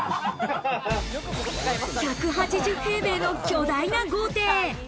１８０平米の巨大な豪邸。